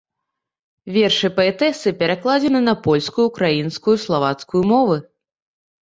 Вершы паэтэсы перакладзены на польскую, украінскую, славацкую мовы.